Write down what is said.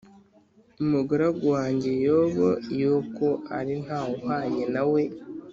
umugaragu wanjye Yobu, yuko ari nta wuhwanye na we